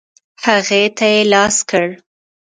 هغې ته یې لاس کړ.